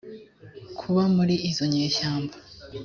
kuba muri izo nyeshyamba